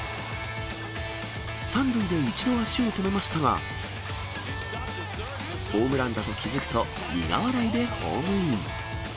３塁で一度足を止めましたが、ホームランだと気付くと、苦笑いでホームイン。